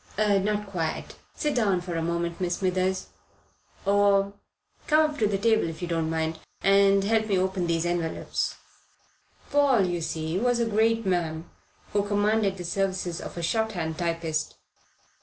"Not quite. Sit down for a minute, Miss Smithers. Or, come up to the table if you don't mind, and help me open these envelopes." Paul, you see, was a great man, who commanded the services of a shorthand typist.